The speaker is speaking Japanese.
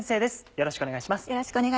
よろしくお願いします。